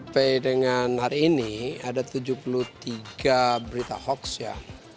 sampai dengan hari ini ada tujuh puluh tiga berita hoax ya